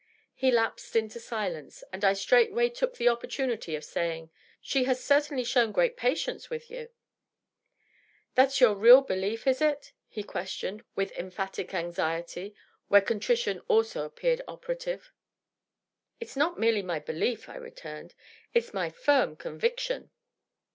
He lapsed into silence, and I straightway took the opportanity of saying, " She has certainly shown great patience with you.'' " That's your real belief, is it r ' he questioned, with emphatic anx iety, where contrition also appeared operative. " It's not merely my belief," I returned ;" it's my firm conviction."